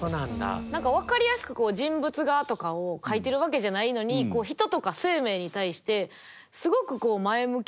何か分かりやすく人物画とかを描いてるわけじゃないのに人とか生命に対してすごく前向きに。